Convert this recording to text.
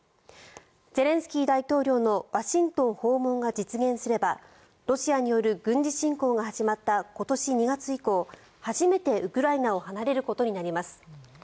ゼレンスキー大統領のワシントン訪問が実現すればロシアによる軍事侵攻が始まった今年２月以降初めてウクライナを離れることになります。